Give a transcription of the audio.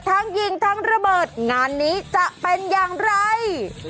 ทั้งยิงทั้งระเบิดงานนี้จะเป็นอย่างไร